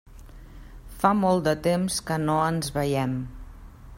Fa molt de temps que no ens veiem.